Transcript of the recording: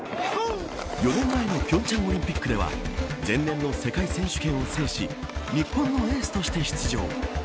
４年前の平昌オリンピックでは前年の世界選手権を制し日本のエースとして出場。